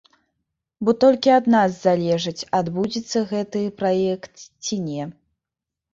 Бо толькі ад нас залежыць, адбудзецца гэты праект ці не.